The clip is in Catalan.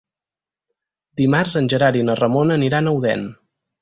Dimarts en Gerard i na Ramona aniran a Odèn.